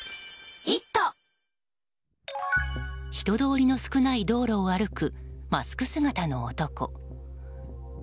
人通りの少ない道路を歩くマスク姿の男。